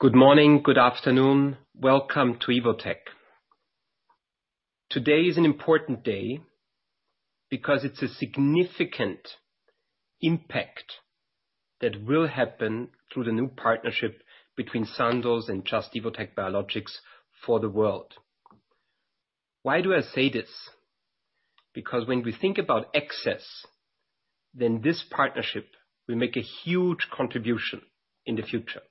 Good morning, good afternoon. Welcome to Evotec. Today is an important day because it's a significant impact that will happen through the new partnership between Sandoz and Just – Evotec Biologics for the world. Why do I say this? When we think about access, this partnership will make a huge contribution in the future.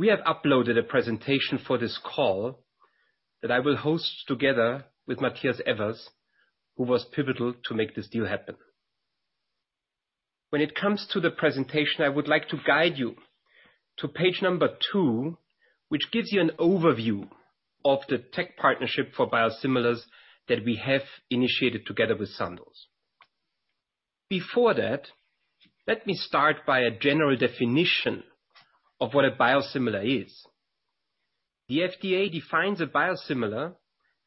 We have uploaded a presentation for this call that I will host together with Matthias Evers, who was pivotal to make this deal happen. When it comes to the presentation, I would like to guide you to page number two, which gives you an overview of the tech partnership for biosimilars that we have initiated together with Sandoz. Before that, let me start by a general definition of what a biosimilar is. The FDA defines a biosimilar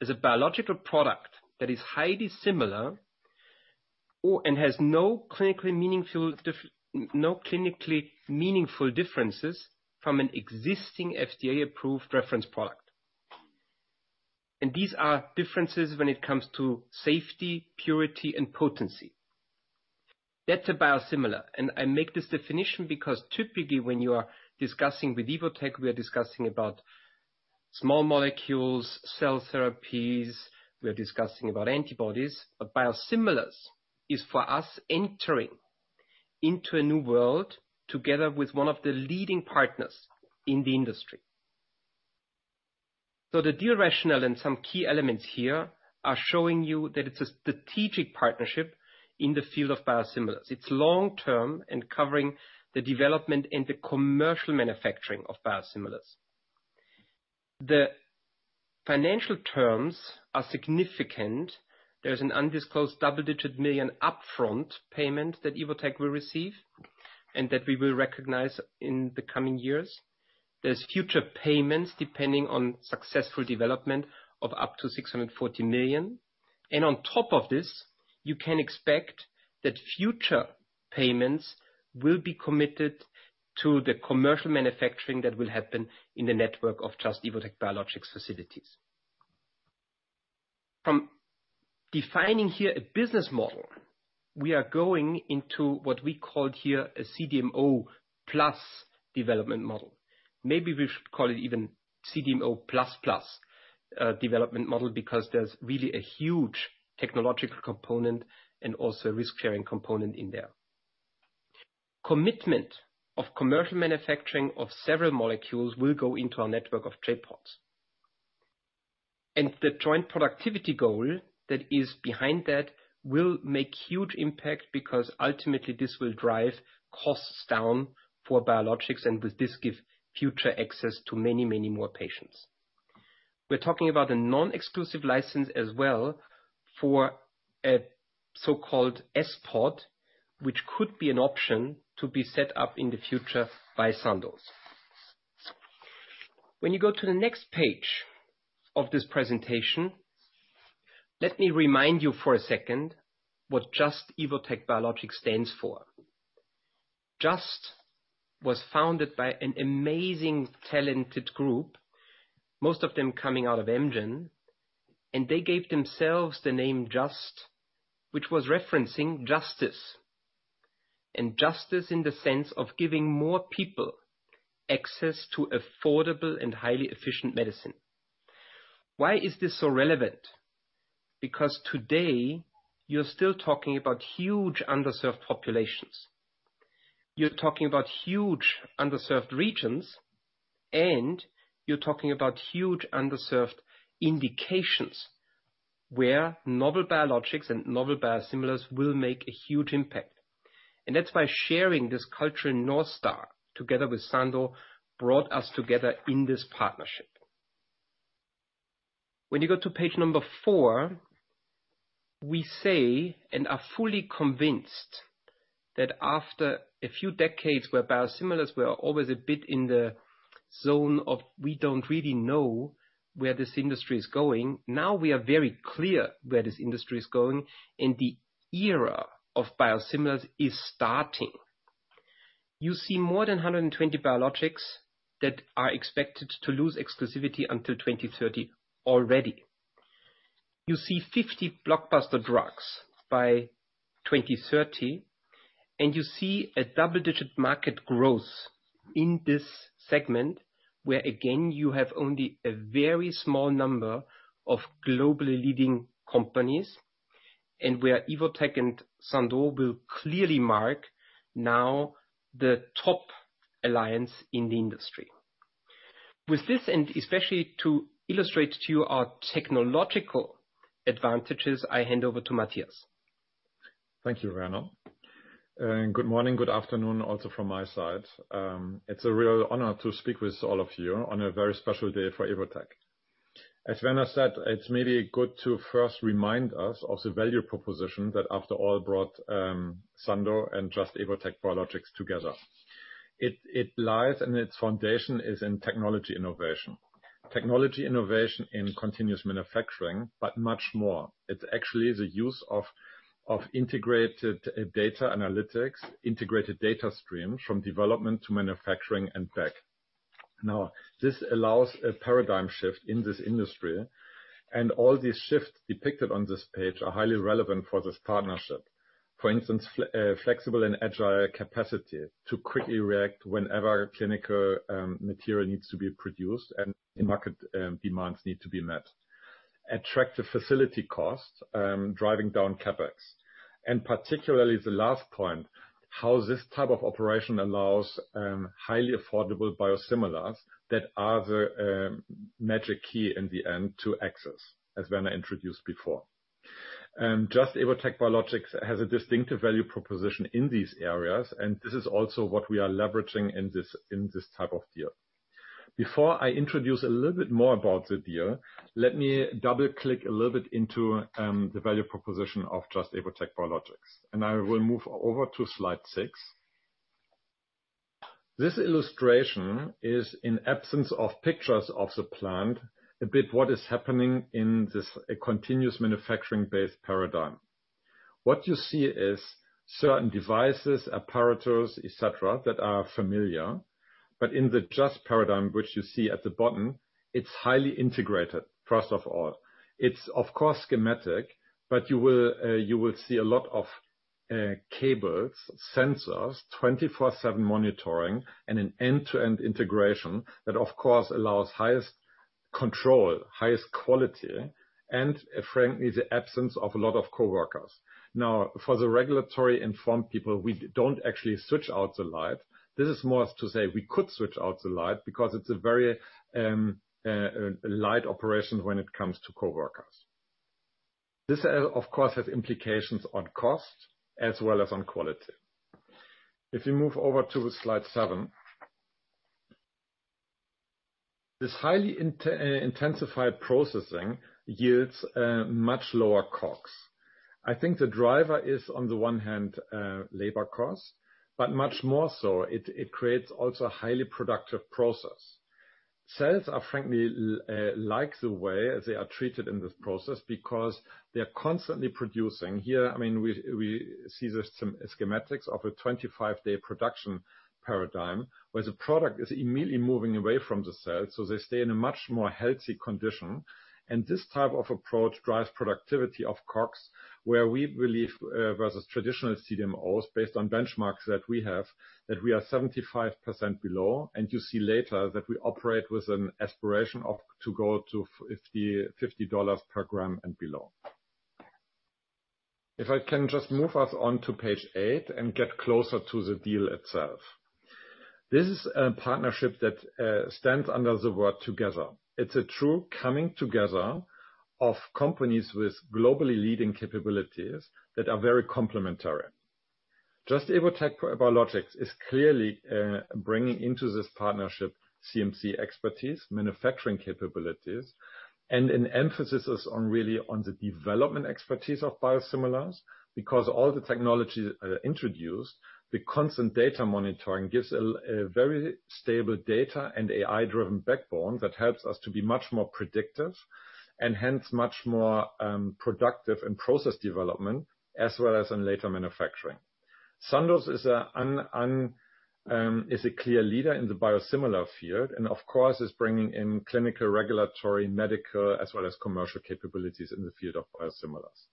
as a biological product that is highly similar or, and has no clinically meaningful differences from an existing FDA-approved reference product. These are differences when it comes to safety, purity and potency. That's a biosimilar. I make this definition because typically when you are discussing with Evotec, we are discussing about small molecules, cell therapies, antibodies. Biosimilars is for us entering into a new world together with one of the leading partners in the industry. The deal rationale and some key elements here are showing you that it's a strategic partnership in the field of biosimilars. It's long-term and covering the development and the commercial manufacturing of biosimilars. The financial terms are significant. There's an undisclosed EUR double-digit million upfront payment that Evotec will receive and that we will recognize in the coming years. There's future payments, depending on successful development, of up to $640 million. On top of this, you can expect that future payments will be committed to the commercial manufacturing that will happen in the network of Just – Evotec Biologics facilities. From defining here a business model, we are going into what we called here a CDMO plus development model. Maybe we should call it even CDMO plus plus development model because there's really a huge technological component and also risk-sharing component in there. Commitment of commercial manufacturing of several molecules will go into our network of J.PODs. The joint productivity goal that is behind that will make huge impact because ultimately this will drive costs down for biologics and with this, give future access to many, many more patients. We're talking about a non-exclusive license as well for a so-called S.POD, which could be an option to be set up in the future by Sandoz. When you go to the next page of this presentation, let me remind you for a second what Just – Evotec Biologics stands for. Just was founded by an amazing, talented group, most of them coming out of Amgen. They gave themselves the name Just, which was referencing justice. Justice in the sense of giving more people access to affordable and highly efficient medicine. Why is this so relevant? Today you're still talking about huge underserved populations. You're talking about huge underserved regions and you're talking about huge underserved indications where novel biologics and novel biosimilars will make a huge impact. That's why sharing this culture North Star together with Sandoz brought us together in this partnership. When you go to page number four, we say and are fully convinced that after a few decades where biosimilars were always a bit in the zone of, we don't really know where this industry is going, now we are very clear where this industry is going, and the era of biosimilars is starting. You see more than 120 biologics that are expected to lose exclusivity until 2030 already. You see 50 blockbuster drugs by 2030, and you see a double-digit market growth in this segment where again, you have only a very small number of globally leading companies, and where Evotec and Sandoz will clearly mark now the top alliance in the industry. With this, and especially to illustrate to you our technological advantages, I hand over to Matthias. Thank you, Werner. Good morning, good afternoon also from my side. It's a real honor to speak with all of you on a very special day for Evotec. As Werner said, it's maybe good to first remind us of the value proposition that after all brought Sandoz and Just – Evotec Biologics together. It lies and its foundation is in technology innovation. Technology innovation in continuous manufacturing, but much more. It's actually the use of integrated data analytics, integrated data stream from development to manufacturing and back. This allows a paradigm shift in this industry, and all these shifts depicted on this page are highly relevant for this partnership. For instance, flexible and agile capacity to quickly react whenever clinical material needs to be produced and market demands need to be met. Attract the facility costs, driving down CapEx, and particularly the last point, how this type of operation allows highly affordable biosimilars that are the magic key in the end to access, as Werner introduced before. Just – Evotec Biologics has a distinctive value proposition in these areas, and this is also what we are leveraging in this type of deal. Before I introduce a little bit more about the deal, let me double-click a little bit into the value proposition of Just – Evotec Biologics, and I will move over to slide 6. This illustration is in absence of pictures of the plant, a bit what is happening in this continuous manufacturing-based paradigm. What you see is certain devices, apparatus, et cetera, that are familiar, but in the Just paradigm, which you see at the bottom, it's highly integrated, first of all. It's of course, schematic, but you will see a lot of cables, sensors, 24/7 monitoring and an end-to-end integration that, of course, allows highest control, highest quality, and frankly, the absence of a lot of coworkers. Now, for the regulatory-informed people, we don't actually switch out the light. This is more to say we could switch out the light because it's a very light operation when it comes to coworkers. This, of course, has implications on cost as well as on quality. If you move over to slide seven. This highly intensified processing yields much lower costs. I think the driver is, on the one hand, labor costs, but much more so it creates also a highly productive process. Cells are frankly like the way they are treated in this process because they are constantly producing. Here, I mean, we see the schematics of a 25-day production paradigm where the product is immediately moving away from the cell, so they stay in a much more healthy condition. This type of approach drives productivity of costs, where we believe versus traditional CDMOs based on benchmarks that we have, that we are 75% below. You see later that we operate with an aspiration of, to go to $50 per gram and below. If I can just move us on to page eight and get closer to the deal itself. This is a partnership that stands under the word together. It's a true coming together of companies with globally leading capabilities that are very complementary. Just- Evotec Biologics is clearly bringing into this partnership CMC expertise, manufacturing capabilities, and an emphasis is on really on the development expertise of biosimilars. Because all the technology introduced, the constant data monitoring gives a very stable data and AI-driven backbone that helps us to be much more predictive and hence much more productive in process development as well as in later manufacturing. Sandoz is a clear leader in the biosimilar field and of course, is bringing in clinical, regulatory, medical, as well as commercial capabilities in the field of biosimilars.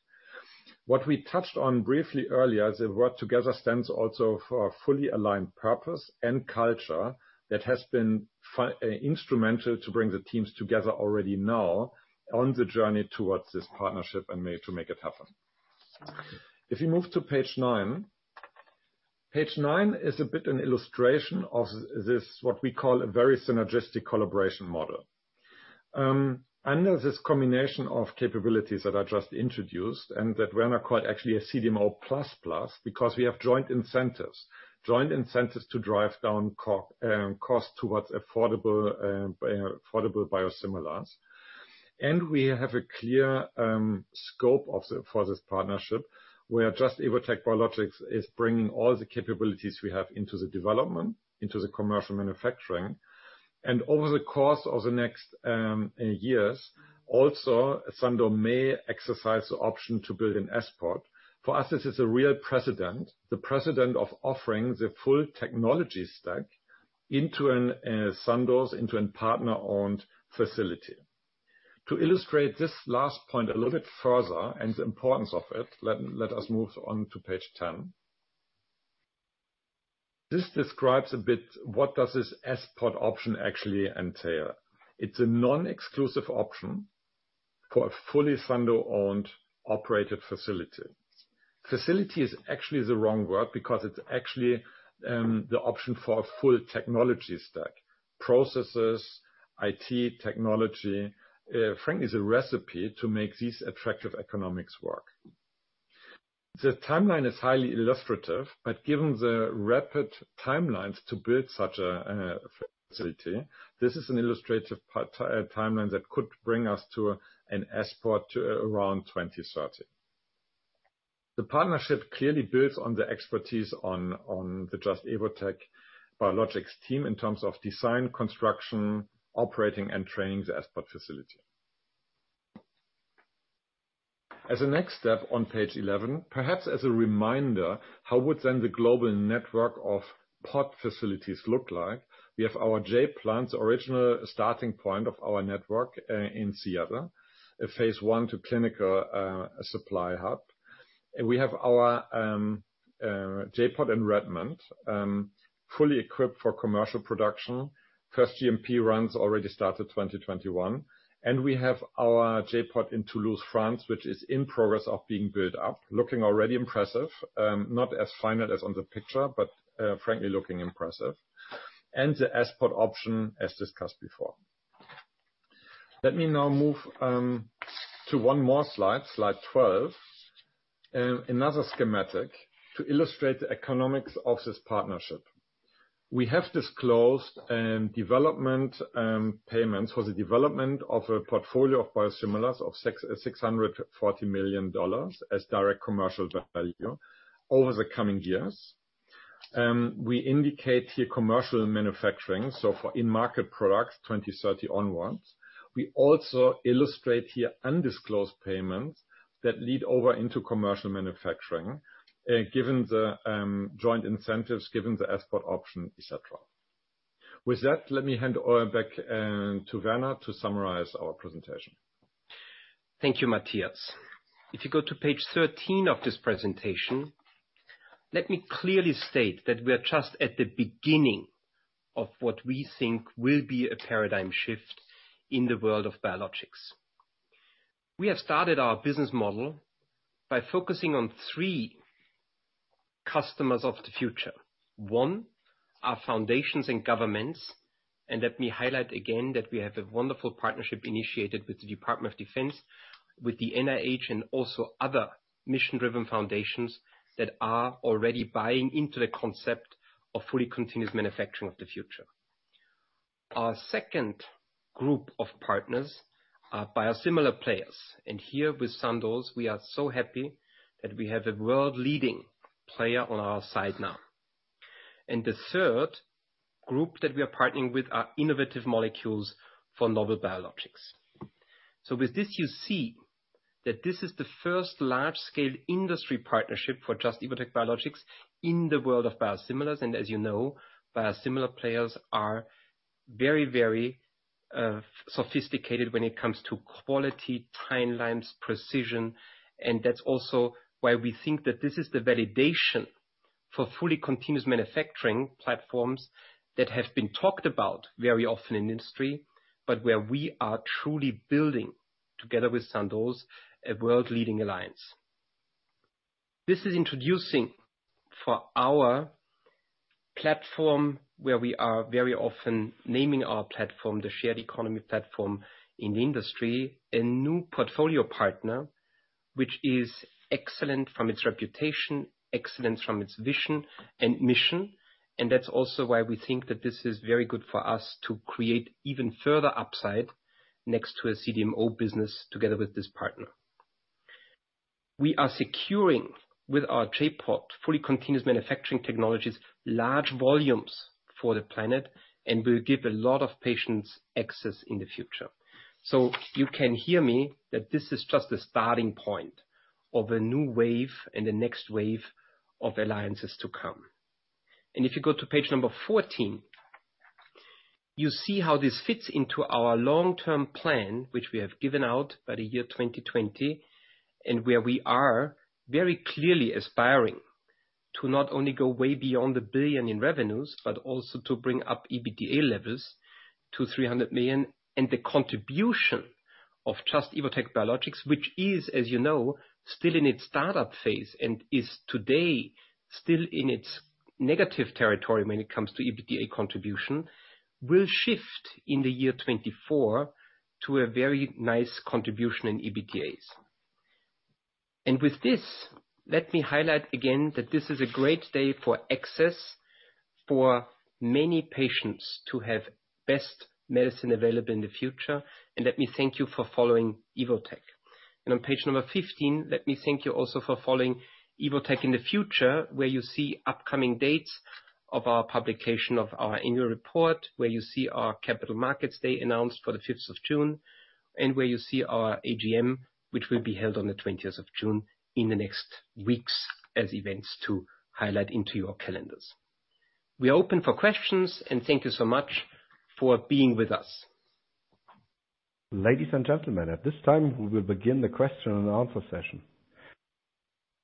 What we touched on briefly earlier, the word together stands also for a fully aligned purpose and culture that has been instrumental to bring the teams together already now on the journey towards this partnership and to make it happen. If you move to page nine. Page nine is a bit an illustration of this, what we call a very synergistic collaboration model. Under this combination of capabilities that I just introduced and that we're not quite actually a CDMO plus because we have joint incentives to drive down costs towards affordable biosimilars. We have a clear scope for this partnership, where Just – Evotec Biologics is bringing all the capabilities we have into the development, into the commercial manufacturing. Over the course of the next years, also, Sandoz may exercise the option to build an S-POD. For us, this is a real precedent of offering the full technology stack into an Sandoz, into a partner-owned facility. To illustrate this last point a little bit further and the importance of it, let us move on to page 10. This describes a bit what does this S-POD option actually entail. It's a non-exclusive option for a fully Sandoz-owned operated facility. Facility is actually the wrong word because it's actually the option for a full technology stack. Processes, IT, technology, frankly, it's a recipe to make these attractive economics work. The timeline is highly illustrative, but given the rapid timelines to build such a facility, this is an illustrative timeline that could bring us to an S.POD to around 2030. The partnership clearly builds on the expertise on the Just – Evotec Biologics team in terms of design, construction, operating and training the S.POD facility. As a next step on page 11, perhaps as a reminder, how would then the global network of pod facilities look like? We have our J.PLANT original starting point of our network in Seattle, a phase I to clinical supply hub. We have our J.POD in Redmond, fully equipped for commercial production. First GMP runs already started 2021. We have our J.POD in Toulouse, France, which is in progress of being built up, looking already impressive, not as final as on the picture, but frankly, looking impressive. The S.POD option as discussed before. Let me now move to one more slide 12. Another schematic to illustrate the economics of this partnership. We have disclosed development payments for the development of a portfolio of biosimilars of $640 million as direct commercial value over the coming years. We indicate here commercial manufacturing, so for in-market products, 2030 onwards. We also illustrate here undisclosed payments that lead over into commercial manufacturing, given the joint incentives, given the S.POD option, et cetera. With that, let me hand over back, to Werner to summarize our presentation. Thank you, Matthias. If you go to page 13 of this presentation, let me clearly state that we are just at the beginning of what we think will be a paradigm shift in the world of biologics. We have started our business model by focusing on three customers of the future. One, are foundations and governments, and let me highlight again that we have a wonderful partnership initiated with the Department of Defense, with the NIH and also other mission-driven foundations that are already buying into the concept of fully continuous manufacturing of the future. Our second group of partners are biosimilar players. Here with Sandoz, we are so happy that we have a world-leading player on our side now. The third group that we are partnering with are innovative molecules for novel biologics. With this, you see that this is the first large-scale industry partnership for Just – Evotec Biologics in the world of biosimilars. As you know, biosimilar players are very sophisticated when it comes to quality, timelines, precision. That's also why we think that this is the validation for fully continuous manufacturing platforms that have been talked about very often in industry, but where we are truly building together with Sandoz, a world-leading alliance. This is introducing for our platform, where we are very often naming our platform, the shared economy platform in the industry, a new portfolio partner, which is excellent from its reputation, excellent from its vision and mission. That's also why we think that this is very good for us to create even further upside next to a CDMO business together with this partner. We are securing with our J.POD, fully continuous manufacturing technologies, large volumes for the planet, and will give a lot of patients access in the future. You can hear me that this is just a starting point of a new wave and the next wave of alliances to come. If you go to page number 14, you see how this fits into our long-term plan, which we have given out by the year 2020, and where we are very clearly aspiring to not only go way beyond 1 billion in revenues, but also to bring up EBITDA levels to 300 million. The contribution of Just – Evotec Biologics, which is, as you know, still in its startup phase and is today still in its negative territory when it comes to EBITDA contribution, will shift in the year 2024 to a very nice contribution in EBITDAs. With this, let me highlight again that this is a great day for access for many patients to have best medicine available in the future. Let me thank you for following Evotec. On page number 15, let me thank you also for following Evotec in the future, where you see upcoming dates of our publication of our annual report, where you see our Capital Markets Day announced for the 5th of June, and where you see our AGM, which will be held on the 20th of June in the next weeks as events to highlight into your calendars. We are open for questions. Thank you so much for being with us. Ladies and gentlemen, at this time, we will begin the question and answer session.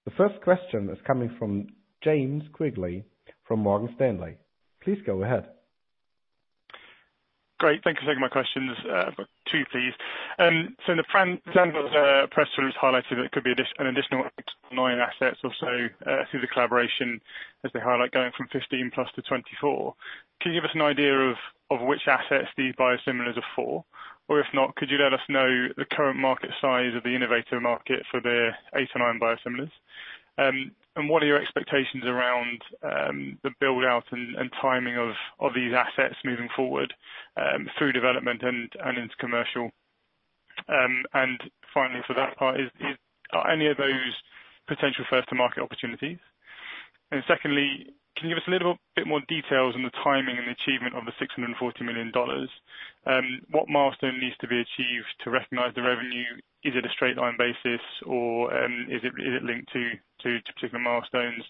The first question is coming from James Quigley from Morgan Stanley. Please go ahead. Great. Thank you for taking my questions. I've got two, please. The Sandoz press release highlighted that it could be an additional 8-9 assets or so through the collaboration as they highlight going from 15+ to 24. Can you give us an idea of which assets these biosimilars are for? Or if not, could you let us know the current market size of the innovator market for the 8-9 biosimilars? What are your expectations around the build-out and timing of these assets moving forward through development and into commercial? Finally, for that part, are any of those potential first to market opportunities? Secondly, can you give us a little bit more details on the timing and achievement of the $640 million? What milestone needs to be achieved to recognize the revenue? Is it a straight line basis or, is it linked to particular milestones?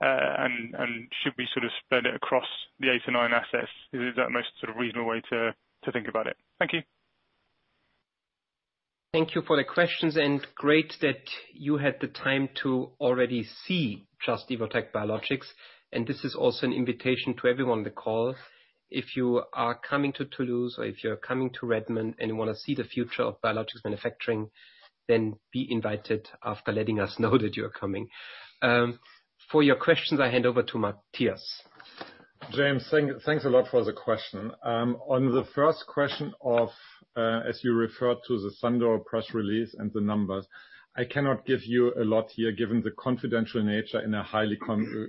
Should we sort of spread it across the 8 or 9 assets? Is that the most sort of reasonable way to think about it? Thank you. Thank you for the questions. Great that you had the time to already see Just - Evotec Biologics. This is also an invitation to everyone on the call. If you are coming to Toulouse or if you're coming to Redmond and want to see the future of biologics manufacturing, then be invited after letting us know that you are coming. For your questions, I hand over to Matthias. James, thanks a lot for the question. On the first question of, as you referred to the Sandoz press release and the numbers, I cannot give you a lot here given the confidential nature in a highly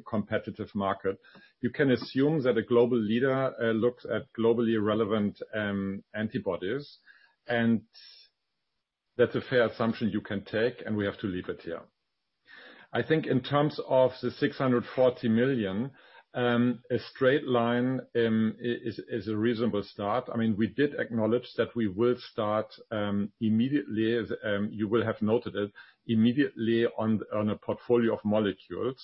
competitive market. You can assume that a global leader looks at globally relevant antibodies, and that's a fair assumption you can take, and we have to leave it here. I think in terms of the $640 million, a straight line is a reasonable start. I mean, we did acknowledge that we will start immediately, as you will have noted it, immediately on a portfolio of molecules.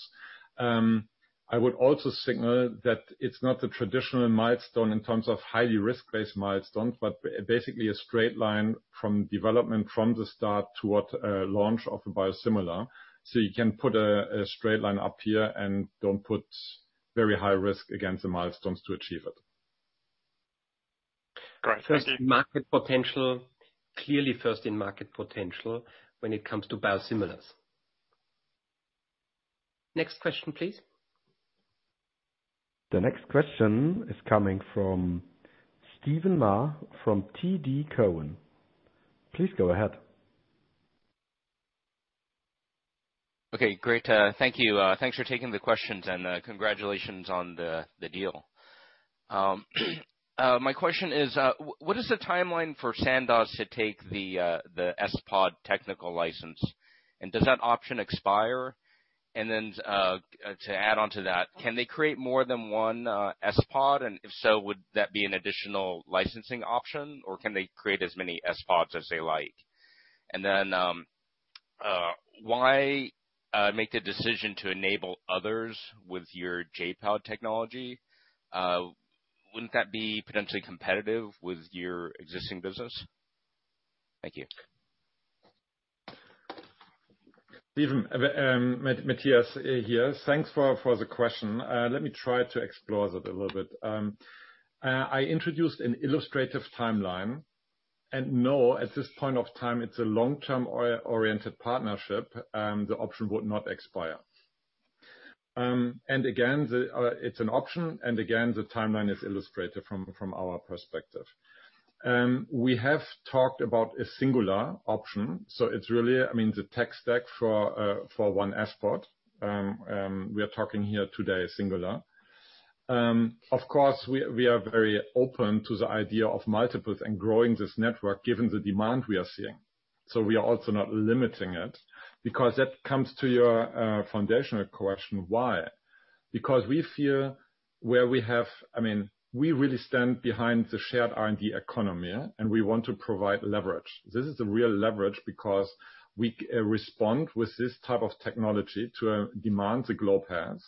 I would also signal that it's not the traditional milestone in terms of highly risk-based milestone, but basically a straight line from development from the start toward a launch of a biosimilar. You can put a straight line up here and don't put very high risk against the milestones to achieve it. Great. Thank you. First in market potential. Clearly first in market potential when it comes to biosimilars. Next question, please. The next question is coming from Steven Mah from TD Cowen. Please go ahead. Okay. Great. Thank you. Thanks for taking the questions and congratulations on the deal. My question is, what is the timeline for Sandoz to take the S.POD technical license, and does that option expire? To add on to that, can they create more than one S.POD? If so, would that be an additional licensing option, or can they create as many S.PODs as they like? Why make the decision to enable others with your J.POD technology? Wouldn't that be potentially competitive with your existing business? Thank you. Steven, Matthias here. Thanks for the question. Let me try to explore that a little bit. I introduced an illustrative timeline and no, at this point of time, it's a long-term or-oriented partnership. The option would not expire. Again, the, it's an option and again, the timeline is illustrated from our perspective. We have talked about a singular option, so it's really, I mean, the tech stack for one S.POD. We are talking here today singular. Of course, we are very open to the idea of multiples and growing this network given the demand we are seeing. We are also not limiting it because that comes to your foundational question, why? Because we feel where we have... I mean, we really stand behind the shared R&D economy, and we want to provide leverage. This is the real leverage because we respond with this type of technology to a demand the globe has,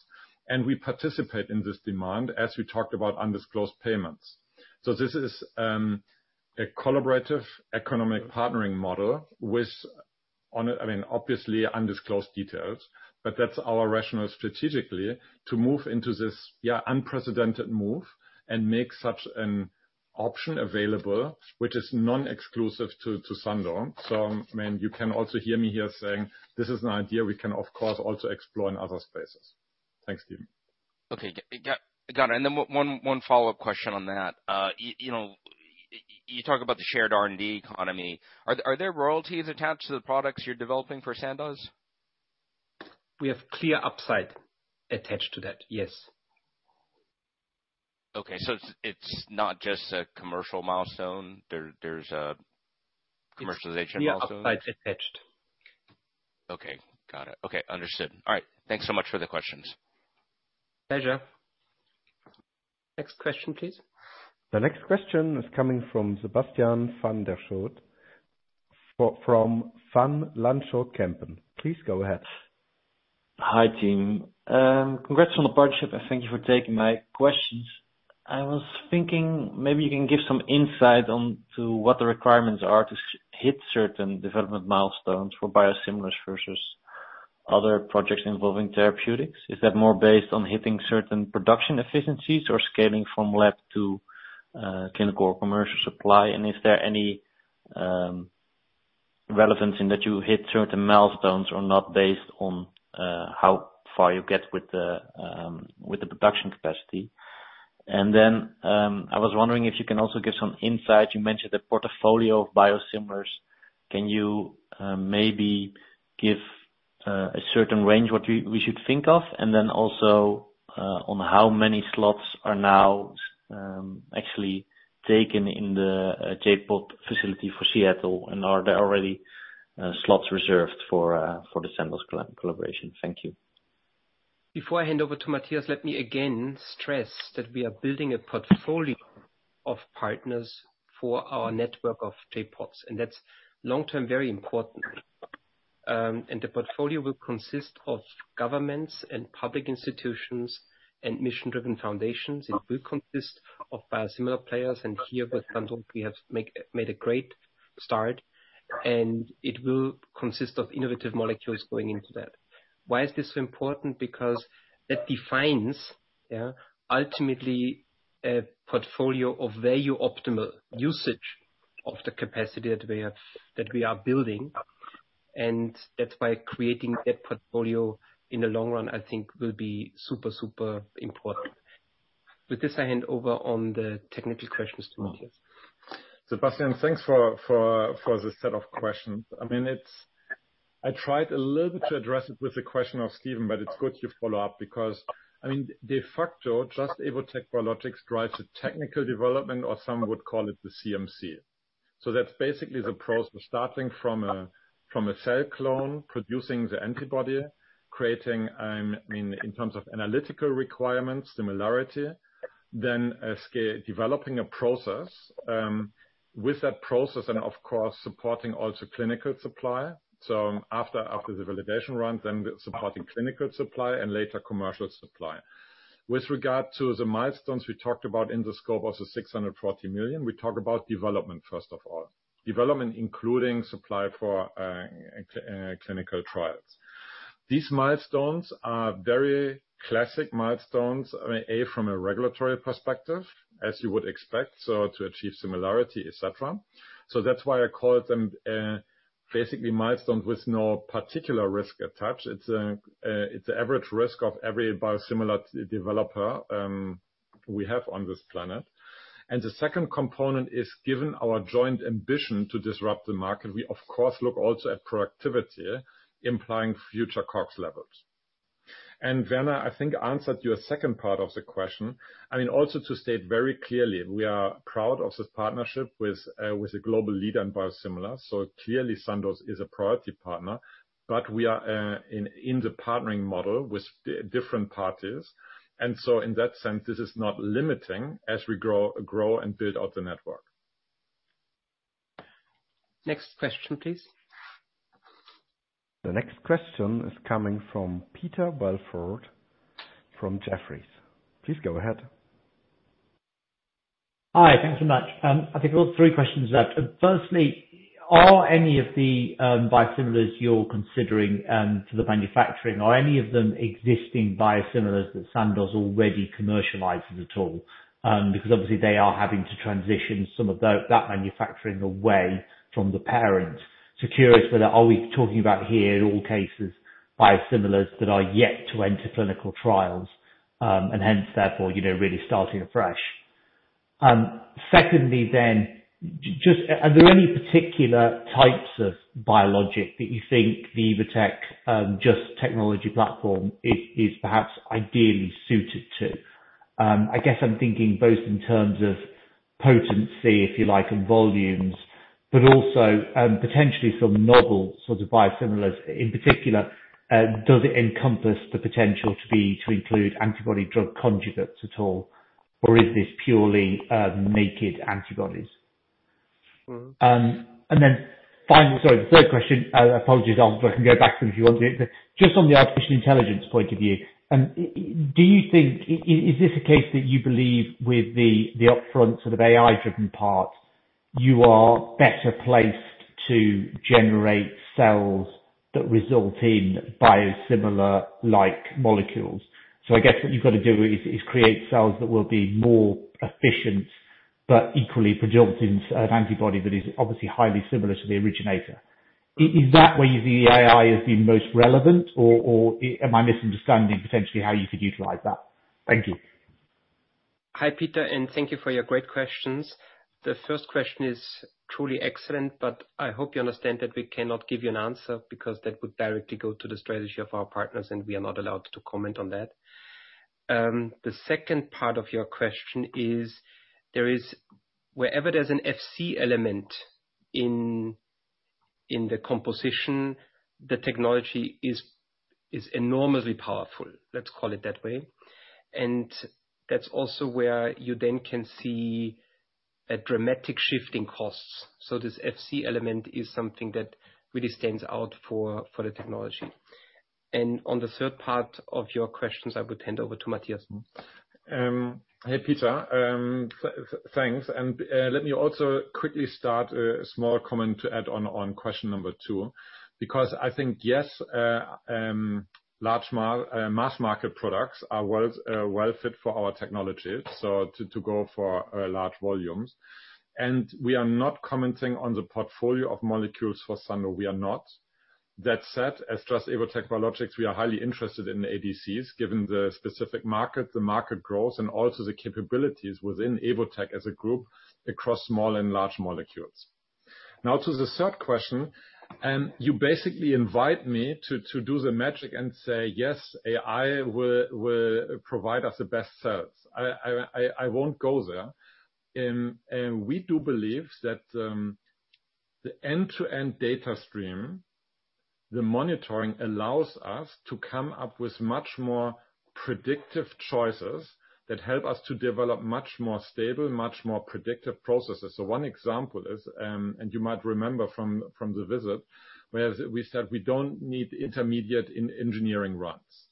and we participate in this demand as we talked about undisclosed payments. This is a collaborative economic partnering model with on a, I mean, obviously undisclosed details, but that's our rationale strategically to move into this, yeah, unprecedented move and make such an option available which is non-exclusive to Sandoz. I mean, you can also hear me here saying this is an idea we can, of course, also explore in other spaces. Thanks, Steven. Okay. Got it. Then one follow-up question on that. you know, you talk about the shared R&D economy. Are there royalties attached to the products you're developing for Sandoz? We have clear upside attached to that, yes. Okay. it's not just a commercial milestone. There's a commercialization milestone? Yeah, upside attached. Okay, got it. Okay, understood. All right. Thanks so much for the questions. Pleasure. Next question, please. The next question is coming from Sebastiaan van der Schoot from Van Lanschot Kempen. Please go ahead. Hi, team. Congrats on the partnership and thank you for taking my questions. I was thinking maybe you can give some insight on to what the requirements are to hit certain development milestones for biosimilars versus other projects involving therapeutics. Is that more based on hitting certain production efficiencies or scaling from lab to clinical commercial supply? Is there any relevance in that you hit certain milestones or not based on how far you get with the production capacity? I was wondering if you can also give some insight. You mentioned a portfolio of biosimilars. Can you maybe give A certain range what we should think of, and then also, on how many slots are now actually taken in the J.POD facility for Seattle, and are there already slots reserved for the Sandoz collaboration? Thank you. Before I hand over to Matthias, let me again stress that we are building a portfolio of partners for our network of J.PODs. That's long-term very important. The portfolio will consist of governments and public institutions and mission-driven foundations. It will consist of biosimilar players. Here with Sandoz we have made a great start. It will consist of innovative molecules going into that. Why is this important? Because that defines, yeah, ultimately a portfolio of value optimal usage of the capacity that we are building. That's why creating that portfolio in the long run, I think will be super important. With this, I hand over on the technical questions to Matthias. Sebastiaan, thanks for the set of questions. I mean, I tried a little bit to address it with the question of Steven, but it's good you follow up because, I mean, de facto, Just – Evotec Biologics drives the technical development or some would call it the CMC. That's basically the process starting from a, from a cell clone, producing the antibody, creating, I mean, in terms of analytical requirements, similarity, then scale, developing a process with that process and of course, supporting also clinical supply. After the validation run, then supporting clinical supply and later commercial supply. With regard to the milestones we talked about in the scope of the $640 million, we talk about development, first of all. Development, including supply for clinical trials. These milestones are very classic milestones, I mean, A, from a regulatory perspective, as you would expect, so to achieve similarity, et cetera. That's why I call them, basically milestones with no particular risk attached. It's average risk of every biosimilar developer we have on this planet. The second component is, given our joint ambition to disrupt the market, we of course, look also at productivity, implying future COGS levels. Werner, I think, answered your second part of the question. I mean, also to state very clearly, we are proud of this partnership with a global leader in biosimilar. Clearly, Sandoz is a priority partner, but we are in the partnering model with different parties. In that sense, this is not limiting as we grow and build out the network. Next question, please. The next question is coming from Peter Welford from Jefferies. Please go ahead. Hi. Thank you so much. I think I've got three questions left. Firstly, are any of the biosimilars you're considering to the manufacturing, are any of them existing biosimilars that Sandoz already commercializes at all? Because obviously they are having to transition some of that manufacturing away from the parent. Curious whether are we talking about here in all cases, biosimilars that are yet to enter clinical trials, and hence therefore, you know, really starting afresh. Secondly then, just are there any particular types of biologic that you think the Evotec, Just technology platform is perhaps ideally suited to? I guess I'm thinking both in terms of potency, if you like, and volumes, but also potentially some novel sort of biosimilars. In particular, does it encompass the potential to include antibody drug conjugates at all, or is this purely naked antibodies? Final-- Sorry, the third question, apologies, I can go back to them if you want me. Just on the artificial intelligence point of view, do you think, is this a case that you believe with the upfront sort of AI-driven parts, you are better placed to generate cells that result in biosimilar-like molecules? I guess what you've got to do is create cells that will be more efficient, but equally productive antibody that is obviously highly similar to the originator. Is that where you see AI as being most relevant or am I misunderstanding potentially how you could utilize that? Thank you. Hi, Peter, thank you for your great questions. The first question is truly excellent, I hope you understand that we cannot give you an answer because that would directly go to the strategy of our partners, and we are not allowed to comment on that. The second part of your question is wherever there's an Fc region in the composition, the technology is enormously powerful. Let's call it that way. That's also where you then can see a dramatic shift in costs. This Fc region is something that really stands out for the technology. On the third part of your questions, I would hand over to Matthias. Hey, Peter. Thanks. Let me also quickly start a small comment to add on question number two, because I think, yes, large mass market products are well fit for our technology, so to go for large volumes. We are not commenting on the portfolio of molecules for Sandoz. We are not. That said, as Just – Evotec Biologics, we are highly interested in ADCs, given the specific market, the market growth, and also the capabilities within Evotec as a group across small and large molecules. Now to the third question, and you basically invite me to do the magic and say, "Yes, AI will provide us the best service." I won't go there. We do believe that, the end-to-end data stream, the monitoring allows us to come up with much more predictive choices that help us to develop much more stable, much more predictive processes. One example is, you might remember from the visit, where we said we don't need intermediate in engineering runs.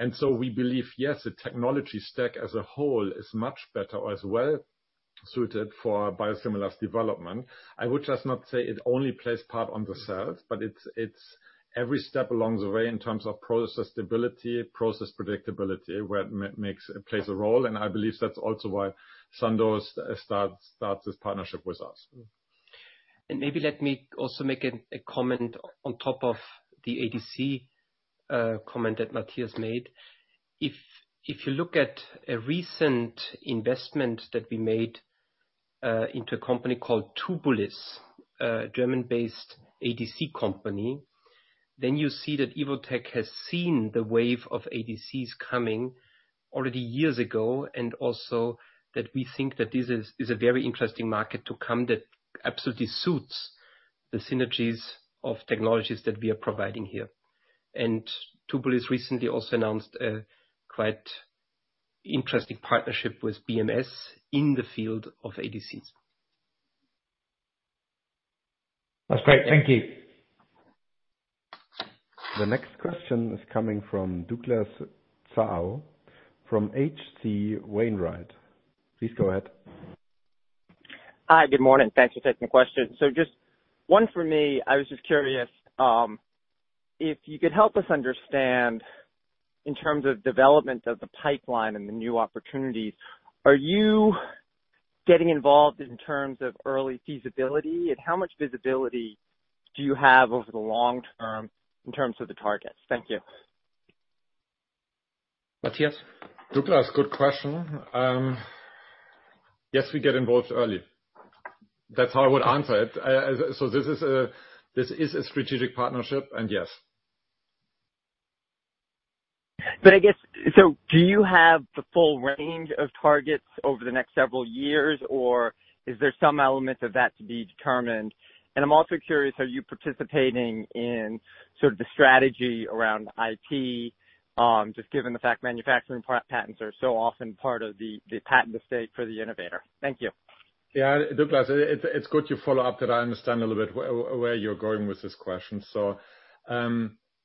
We believe, yes, the technology stack as a whole is much better or is well-suited for biosimilars development. I would just not say it only plays part on the sales, but it's every step along the way in terms of process stability, process predictability, where it plays a role, and I believe that's also why Sandoz starts this partnership with us. Maybe let me also make a comment on top of the ADC comment that Matthias made. If you look at a recent investment that we made into a company called Tubulis, a German-based ADC company, then you see that Evotec has seen the wave of ADCs coming already years ago, and also that we think that this is a very interesting market to come that absolutely suits the synergies of technologies that we are providing here. Tubulis recently also announced a quite interesting partnership with BMS in the field of ADCs. That's great. Thank you. The next question is coming from Douglas Tsao from H.C. Wainwright & Co. Please go ahead. Hi, good morning. Thanks for taking the question. Just one for me. I was just curious, if you could help us understand in terms of development of the pipeline and the new opportunities, are you getting involved in terms of early feasibility, and how much visibility do you have over the long term in terms of the targets? Thank you. Matthias? Douglas, good question. Yes, we get involved early. That's how I would answer it. This is a strategic partnership, and yes. I guess, do you have the full range of targets over the next several years, or is there some element of that to be determined? I'm also curious, are you participating in sort of the strategy around IT, just given the fact manufacturing patents are so often part of the patent at stake for the innovator? Thank you. Yeah, Douglas, it's good you follow up that I understand a little bit where you're going with this question.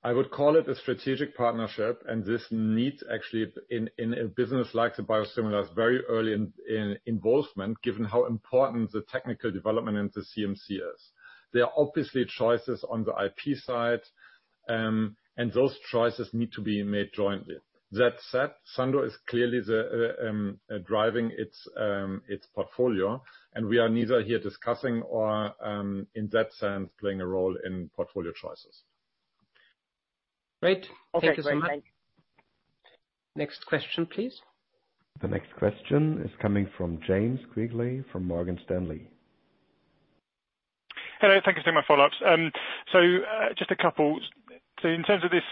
I would call it a strategic partnership, and this needs actually in a business like the biosimilars, very early in involvement, given how important the technical development into CMC. There are obviously choices on the IP side, and those choices need to be made jointly. That said, Sandoz is clearly the driving its its portfolio, and we are neither here discussing or in that sense, playing a role in portfolio choices. Great. Thank you so much. Okay, great. Thank you. Next question, please. The next question is coming from James Quigley from Morgan Stanley. Hello, thank you for taking my follow-ups. Just a couple. In terms of this,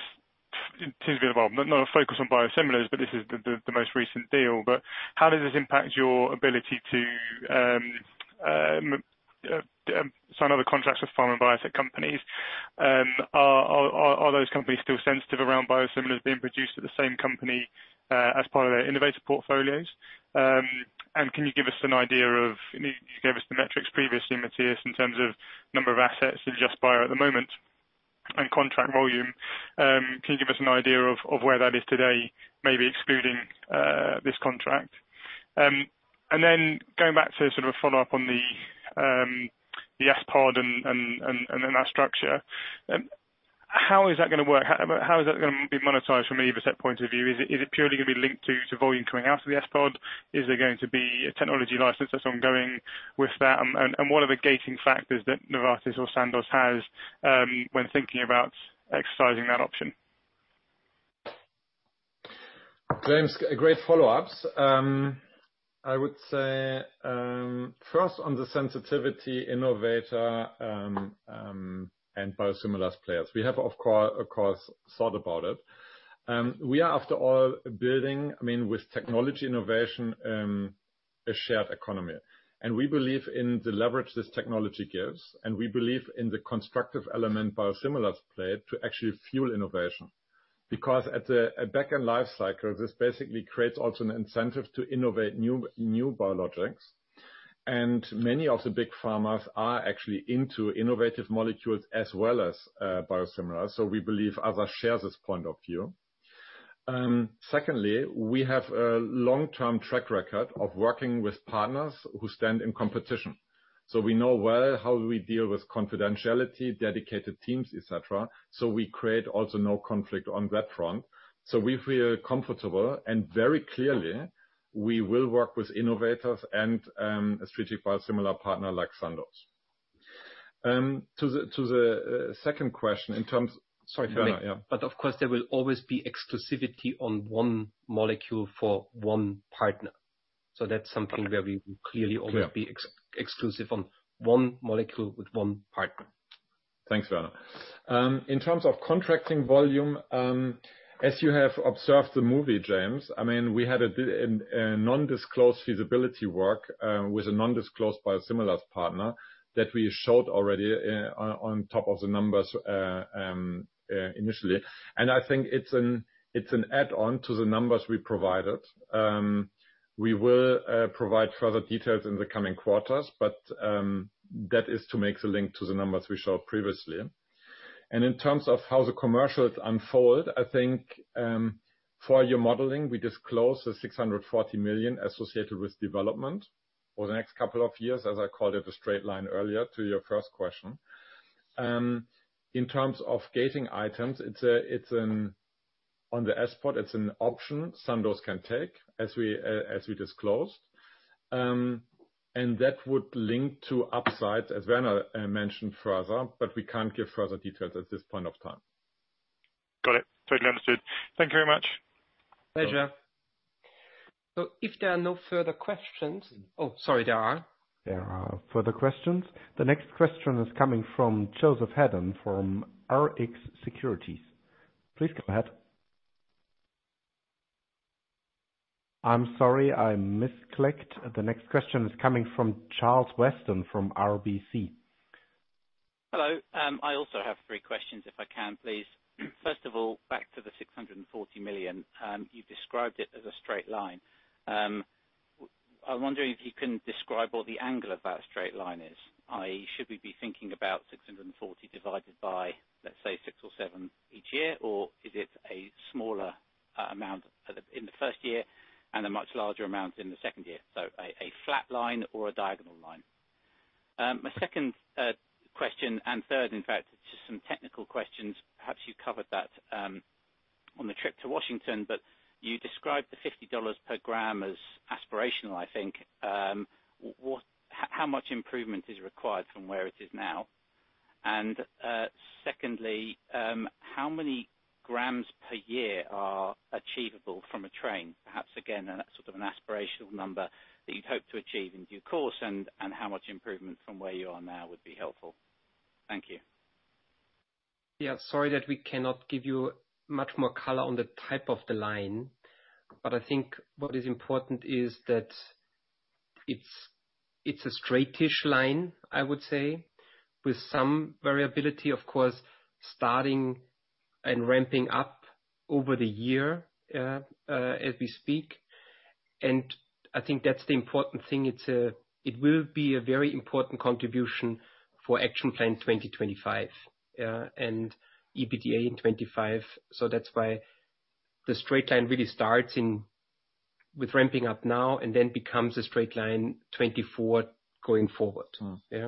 to the second question, in terms. Sorry, Werner, yeah. Of course, there will always be exclusivity on one molecule for one partner. That's something where we will clearly always. Yeah. Be exclusive on one molecule with one partner. Thanks, Werner. In terms of contracting volume, as you have observed the movie, James, I mean, we had an non-disclosed feasibility work with a non-disclosed biosimilars partner that we showed already on top of the numbers initially. I think it's an add-on to the numbers we provided. We will provide further details in the coming quarters. That is to make the link to the numbers we showed previously. In terms of how the commercials unfold, I think, for your modeling, we disclose the $640 million associated with development for the next couple of years, as I called it, a straight line earlier to your first question. In terms of gating items, On the S.POD, it's an option Sandoz can take, as we disclosed. That would link to upsides, as Werner mentioned further, but we can't give further details at this point of time. Got it. Totally understood. Thank you very much. Pleasure. if there are no further questions... Oh, sorry, there are. There are further questions. The next question is coming from Joseph Hedden from Rx Securities. Please go ahead. I'm sorry, I misclicked. The next question is coming from Charles Weston from RBC. Hello. I also have 3 questions, if I can, please. First of all, back to the $640 million. You've described it as a straight line. I'm wondering if you can describe what the angle of that straight line is, i.e., should we be thinking about $640 divided by, let's say, 6 or 7 each year? Is it a smaller amount in the 1st year and a much larger amount in the 2nd year? A flat line or a diagonal line? My 2nd question and 3rd, in fact, just some technical questions. Perhaps you covered that on the trip to Washington, you described the $50 per gram as aspirational, I think. How much improvement is required from where it is now? Secondly, how many grams per year are achievable from a train? Perhaps again, a sort of an aspirational number that you'd hope to achieve in due course, and how much improvement from where you are now would be helpful. Thank you. Yeah. Sorry that we cannot give you much more color on the type of the line, but I think what is important is that it's a straight-ish line, I would say, with some variability, of course, starting and ramping up over the year, as we speak. I think that's the important thing. It will be a very important contribution for Action Plan 2025, and EBITDA in 25. That's why the straight line really starts with ramping up now and then becomes a straight line 24 going forward. Mm. Yeah.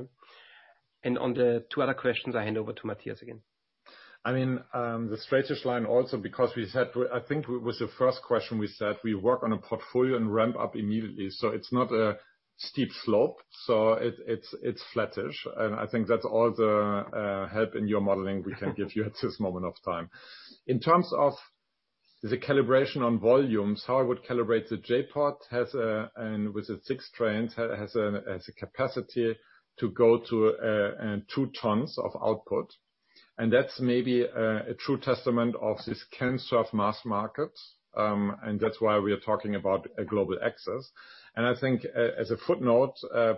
On the two other questions, I hand over to Matthias again. I mean, the straightish line also because we said, I think was the first question we said, we work on a portfolio and ramp up immediately. It's not a steep slope. It's flattish. I think that's all the help in your modeling we can give you at this moment of time. In terms of the calibration on volumes, how I would calibrate the J.POD has a with its 6 trains, has a capacity to go to 2 tons of output. That's maybe a true testament of this can serve mass markets, and that's why we are talking about a global access. I think as a footnote,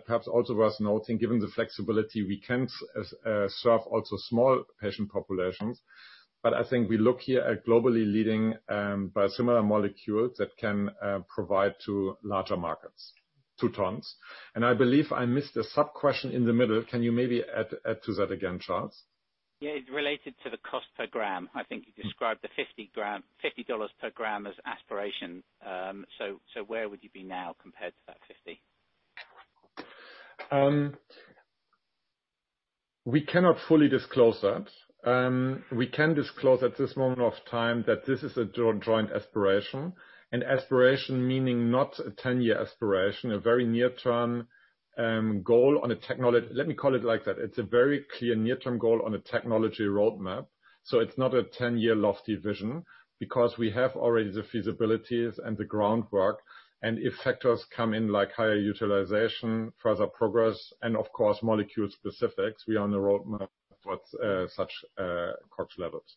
perhaps also worth noting, given the flexibility, we can serve also small patient populations. I think we look here at globally leading, biosimilar molecules that can provide to larger markets, 2 tons. I believe I missed a sub-question in the middle. Can you maybe add to that again, Charles? Yeah. It related to the cost per gram. I think you described the $50 per gram as aspiration. Where would you be now compared to that 50? We cannot fully disclose that. We can disclose at this moment of time that this is a joint aspiration. Aspiration meaning not a 10-year aspiration, a very near-term goal. Let me call it like that. It's a very clear near-term goal on a technology roadmap. It's not a 10-year lofty vision because we have already the feasibilities and the groundwork. If factors come in, like higher utilization, further progress, and of course, molecule specifics, we are on the roadmap towards such COGS levels.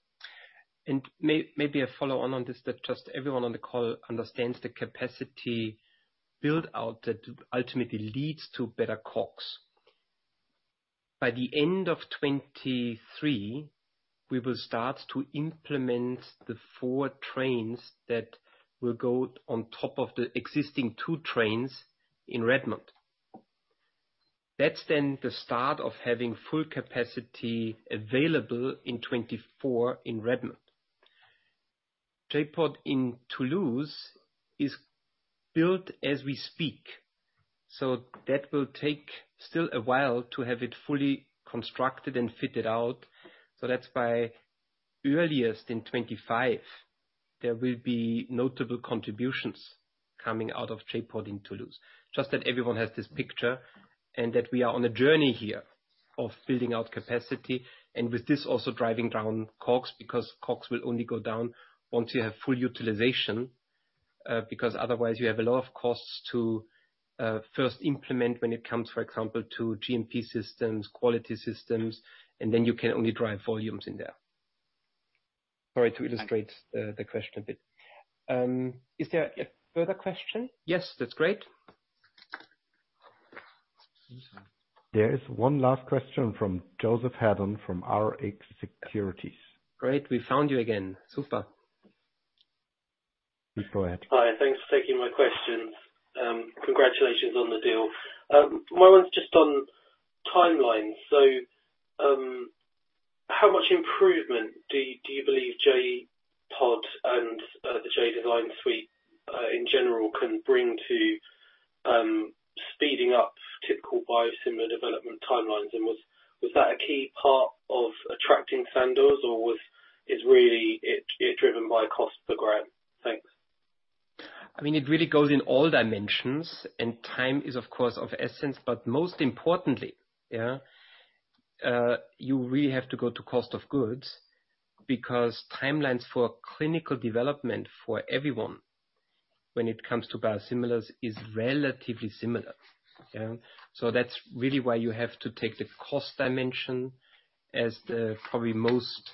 Maybe a follow-on on this, that just everyone on the call understands the capacity build-out that ultimately leads to better COGS. By the end of 2023, we will start to implement the four trains that will go on top of the existing two trains in Redmond. The start of having full capacity available in 2024 in Redmond. J-Pod in Toulouse is built as we speak, so that will take still a while to have it fully constructed and fitted out. That's by earliest in 2025, there will be notable contributions coming out of J-Pod in Toulouse. Just that everyone has this picture and that we are on a journey here. Of building out capacity, and with this also driving down COGS, because COGS will only go down once you have full utilization. Otherwise you have a lot of costs to, first implement when it comes, for example, to GMP systems, quality systems, and then you can only drive volumes in there. Sorry, to illustrate, the question a bit. Is there a further question? Yes, that's great. There is one last question from Joseph Hedden from Rx Securities. Great. We found you again. Super. Please go ahead. Hi. Thanks for taking my questions. Congratulations on the deal. My one's just on timelines. How much improvement do you believe J.POD and the J.DESIGN suite in general can bring to speeding up typical biosimilar development timelines? Was that a key part of attracting Sandoz or is really it driven by cost per gram? Thanks. I mean, it really goes in all dimensions, and time is of course, of essence, but most importantly, yeah, you really have to go to cost of goods because timelines for clinical development for everyone when it comes to biosimilars is relatively similar. Yeah. That's really why you have to take the cost dimension as the probably most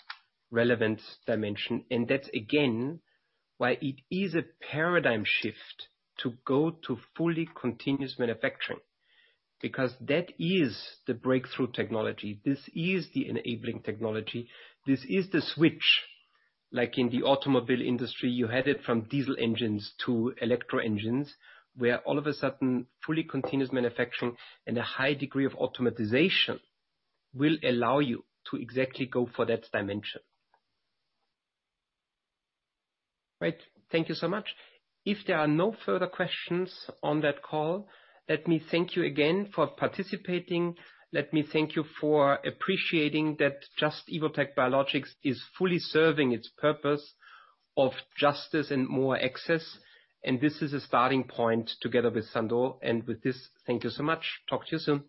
relevant dimension. That's again, why it is a paradigm shift to go to fully continuous manufacturing, because that is the breakthrough technology. This is the enabling technology. This is the switch, like in the automobile industry, you had it from diesel engines to electric engines, where all of a sudden, fully continuous manufacturing and a high degree of automatization will allow you to exactly go for that dimension. Right. Thank you so much. If there are no further questions on that call, let me thank you again for participating. Let me thank you for appreciating that Just Evotec Biologics is fully serving its purpose of justice and more access. This is a starting point together with Sandoz. With this, thank you so much. Talk to you soon.